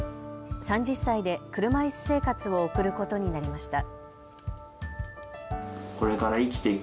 ３０歳で車いす生活を送ることになりました。